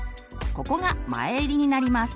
ここが前襟になります。